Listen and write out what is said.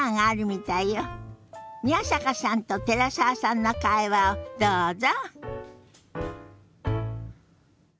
宮坂さんと寺澤さんの会話をどうぞ。